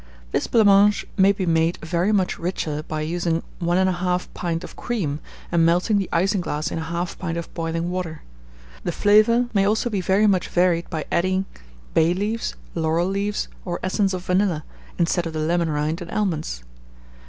This blanc mange may be made very much richer by using 1 1/2 pint of cream, and melting the isinglass in 1/2 pint of boiling water. The flavour may also be very much varied by adding bay leaves, laurel leaves, or essence of vanilla, instead of the lemon rind and almonds.